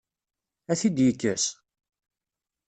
Ad t-id-yekkes?